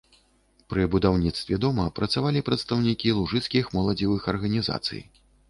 Пры будаўніцтве дома працавалі прадстаўнікі лужыцкіх моладзевых арганізацый.